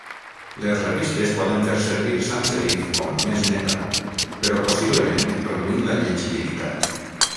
Les revistes poden fer servir sans-serif com "més neta", però possiblement reduint la llegibilitat.